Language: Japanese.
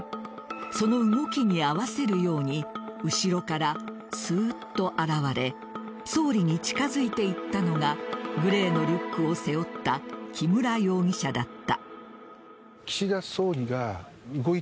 その動きに合わせるように後ろからすーっと現れ総理に近づいていったのがグレーのリュックを背負った木村容疑者だった。